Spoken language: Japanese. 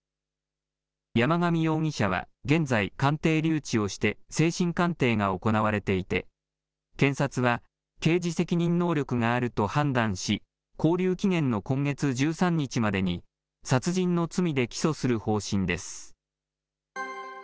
山上容疑者は現在、鑑定留置をして精神鑑定が行われていて、検察は刑事責任能力があると判断し、勾留期限の今月１３日までに殺人の罪で起訴する方針です。